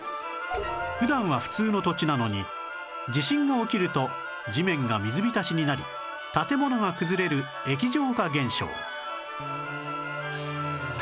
普段は普通の土地なのに地震が起きると地面が水浸しになり建物が崩れる液状化現象